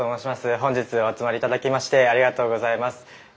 本日はお集まり頂きましてありがとうございます。